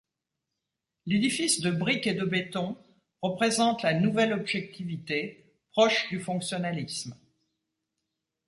L'édifice de brique et de béton représente la Nouvelle Objectivité proche du fonctionnalisme.